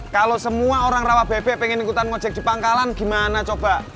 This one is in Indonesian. kalo semua orang rawa bebe pengen ikutan ngejek di pangkalan gimana coba